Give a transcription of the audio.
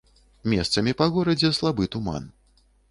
Месцамі па горадзе слабы туман.